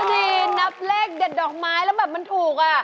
พิศนีนนับเลขเด็ดดอกไม้แล้วแบบมันถูก